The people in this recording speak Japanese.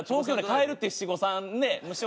「帰るっていう七五三」。